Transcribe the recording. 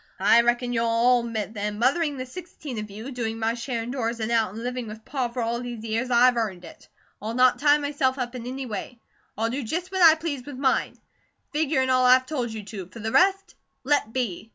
I reckon you'll all admit that in mothering the sixteen of you, doing my share indoors and out, and living with PA for all these years, I've earned it. I'll not tie myself up in any way. I'll do just what I please with mine. Figure in all I've told you to; for the rest let be!"